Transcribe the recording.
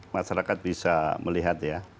masyarakat bisa melihat ya